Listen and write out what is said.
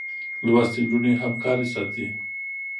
لوستې نجونې همکاري ساتي.